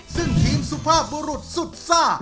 ซึ่งทีมสุภาพบุรุษสุดซ่า